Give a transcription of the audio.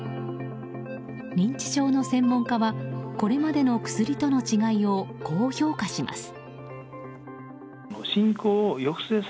認知症の専門家はこれまでの薬との違いをこう評価します。